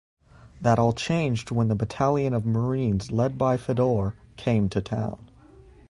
That all changed when the battalion of marines led by Fedor came to town.